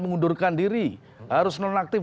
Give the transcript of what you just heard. mengundurkan diri harus non aktif